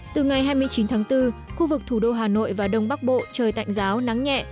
từ ngày hai mươi chín tháng bốn khu vực thủ đô hà nội và đông bắc bộ trời tạnh giáo nắng nhẹ